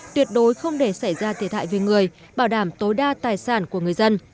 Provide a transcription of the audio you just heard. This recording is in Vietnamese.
tuyệt đối không để xảy ra thiệt hại về người bảo đảm tối đa tài sản của người dân